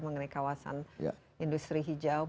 mengenai kawasan industri hijau